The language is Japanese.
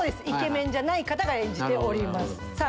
イケメンじゃない方が演じております。